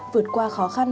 vượt qua khó khăn